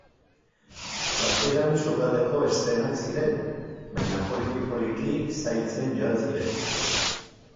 Hasieran sukaldeko eszenak ziren baina poliki-poliki zailtzen joan ziren.